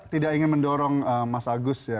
tidak ingin mendorong mas agus ya